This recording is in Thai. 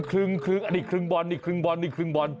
ครึ่งอันนี้ครึ่งบอลนี่ครึ่งบอลนี่ครึ่งบอล